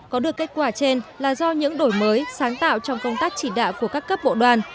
có được kết quả trên là do những đổi mới sáng tạo trong công tác chỉ đạo của các cấp bộ đoàn